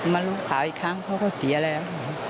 รู้ข่าวอีกครั้งเขาก็เสียแล้ว